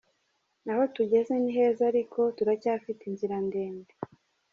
Aho tugeze ni heza ariko turacyafite inzira ndende.